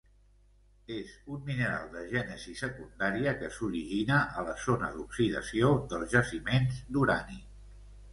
És un mineral de gènesi secundària, que s'origina a la zona d'oxidació dels jaciments d'urani.